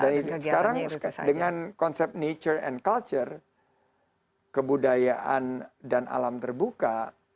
sekarang dengan konsep halo pada muda dan kultur kebudayaan dan alam terbuka